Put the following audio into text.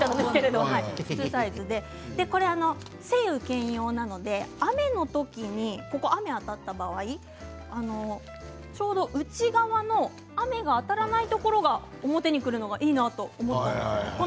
これは晴雨兼用なので、雨の時に雨が当たった場合ちょうど内側の雨の当たらないところが表にくるのがいいなと思いました。